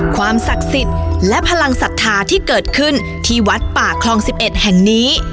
ความศักดิ์สิทธิ์และพลังศรัทธาที่เกิดขึ้นที่วัดป่าคลอง๑๑แห่งนี้